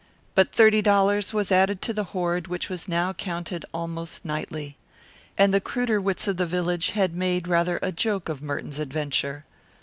But thirty dollars was added to the hoard which was now counted almost nightly. And the cruder wits of the village had made rather a joke of Merton's adventure.